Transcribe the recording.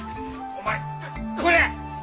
お前これ！